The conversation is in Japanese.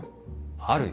あるよ。